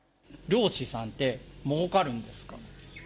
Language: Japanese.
漁師さんってもうかるんですか。